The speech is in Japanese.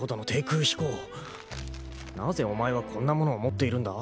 なぜお前はこんな物を持っているんだ？